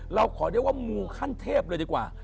เราขอเรียกว่ามูขั้นเทพเลยดีกว่า